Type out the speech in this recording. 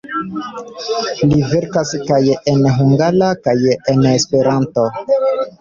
Li verkas kaj en hungara kaj en Esperanto.